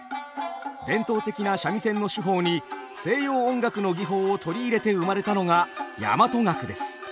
伝統的な三味線の手法に西洋音楽の技法を取り入れて生まれたのが大和楽です。